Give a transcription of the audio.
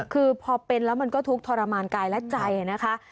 คือพอเป็นแล้วมันก็ทุกข์ทรมานกายและใจนะคะ